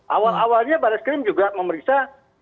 awal awalnya barat skrim juga memeriksa